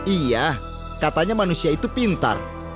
iya katanya manusia itu pintar